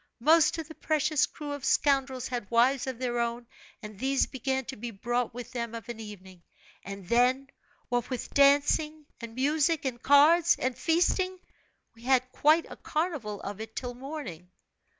Most of the precious crew of scoundrels had wives of their own and these began to be brought with them of an evening; and then, what with dancing, and music, and cards, and feasting, we had quite a carnival of it till morning.